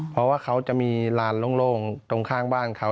เพราะว่าเขาจะมีลานโล่งตรงข้างบ้านเขา